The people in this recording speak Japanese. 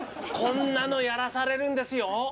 こんなのやらされるんですよ。